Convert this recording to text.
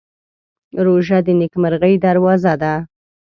روژه د نېکمرغۍ دروازه ده.